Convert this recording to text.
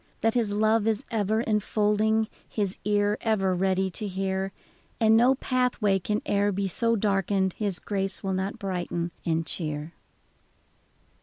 That His love is ever enfolding, His ear ever ready to hear. And no pathway can e'er be so darkened His grace will not brighten and cheer